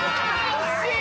惜しい！